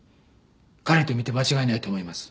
彼と見て間違いないと思います。